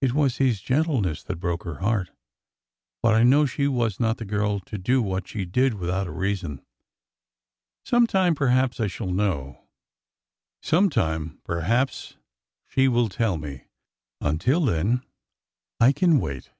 It was his gentleness that broke her heart. " But I know she was not the girl to do what she did without a reason. Some time, perhaps, I shall know. Sometime, perhaps, she will tell me. Until then I can wait."